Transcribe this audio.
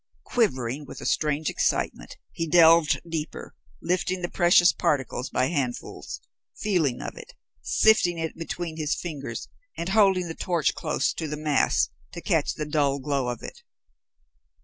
Quivering with a strange excitement he delved deeper, lifting the precious particles by handfuls, feeling of it, sifting it between his fingers, and holding the torch close to the mass to catch the dull glow of it.